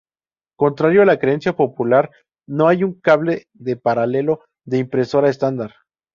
Contrario a la creencia popular, no hay un cable de paralelo de impresora "estándar".